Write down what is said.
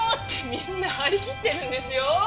みんな張り切ってるんですよ！